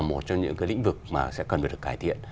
một trong những cái lĩnh vực mà sẽ cần phải được cải thiện